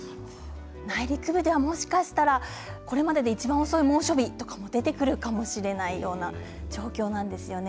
内陸部では、もしかしたらこれまででいちばん遅い猛暑日なども出てくるかもしれないような状況なんですよね。